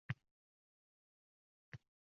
Men jim edim: ogʻrirdi koʻksim